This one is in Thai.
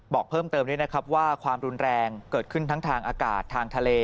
บอกเพิ่มเติมด้วยนะครับว่าความรุนแรงเกิดขึ้นทั้งทางอากาศทางทะเล